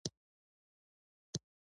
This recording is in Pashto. هر څه یې روښانه شي.